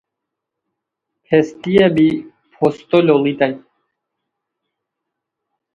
پھیستیہ بی پھوستو لوڑیتائے